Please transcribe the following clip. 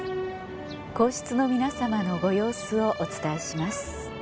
皇室の皆さまのご様子をお伝えします。